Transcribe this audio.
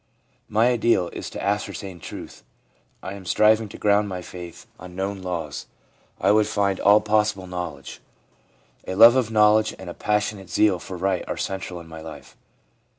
' My ideal is to ascertain truth.' ' I am striving to ground my faith on known laws.' ' I would find all possible knowledge.' i A love of knowledge and a passionate zeal for right are central in my life.'